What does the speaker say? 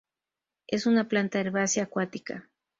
Es una planta herbácea acuática.